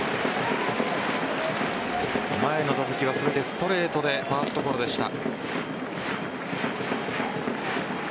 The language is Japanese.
前の打席は全てストレートでファーストゴロでした。